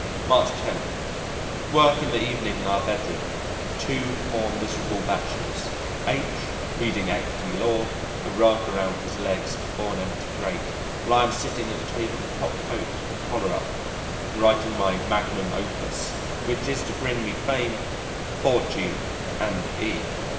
March 10. Work in the evening in our bedroom two poor miserable bachelors H reading Equity Law, a rug around his legs before an empty grate, while I am sitting at the table in top coat, with collar up, and writing my magnum opus, which is to bring me fame, fortune and E